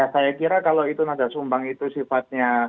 saya kira kalau itu nada sumbang itu sifatnya